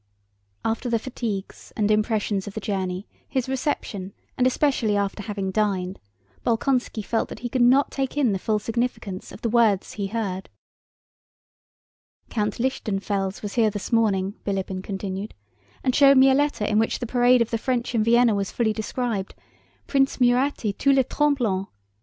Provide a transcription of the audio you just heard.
After the fatigues and impressions of the journey, his reception, and especially after having dined, Bolkónski felt that he could not take in the full significance of the words he heard. "Count Lichtenfels was here this morning," Bilíbin continued, "and showed me a letter in which the parade of the French in Vienna was fully described: Prince Murat et tout le tremblement...